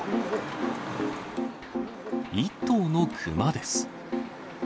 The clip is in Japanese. １頭のクマです。